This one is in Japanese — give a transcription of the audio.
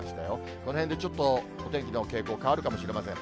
このへんでちょっと、お天気の傾向、変わるかもしれません。